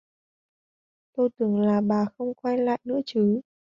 Tôi tưởng là bà không quay lại nữa chứ